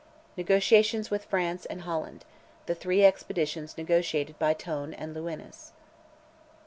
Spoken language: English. NEGOTIATIONS WITH FRANCE AND HOLLAND—THE THREE EXPEDITIONS NEGOTIATED BY TONE AND LEWINES.